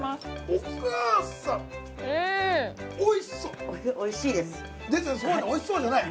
「おいしそう」じゃない。